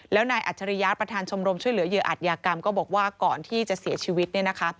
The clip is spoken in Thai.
แล้วนายอัจฉริยะประธานชมรมช่วยเหลือเหยื่ออัตยากรรมก็บอกว่าก่อนที่จะเสียชีวิตเนี่ยนะคะ